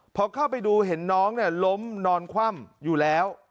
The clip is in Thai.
พอเข้าไปดูเห็นน้องล้มนอนคว่ำอยู่แล้ว